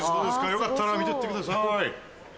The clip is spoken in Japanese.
よかったら見てってください。